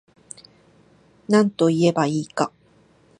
なんといえば良いか